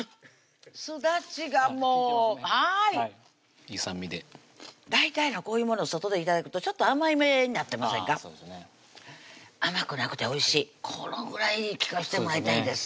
すだちがもう利いてますねいい酸味で大体こういうものを外で頂くとちょっと甘いめになってませんか甘くなくておいしいこのぐらい利かしてもらいたいんです